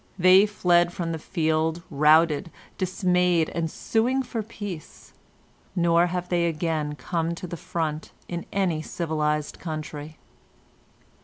They fled from the field routed, dismayed, and suing for peace; nor have they again come to the front in any civilised country.